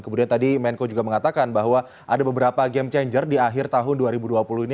kemudian tadi menko juga mengatakan bahwa ada beberapa game changer di akhir tahun dua ribu dua puluh ini